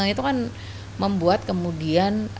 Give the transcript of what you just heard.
itu kan membuat kemudian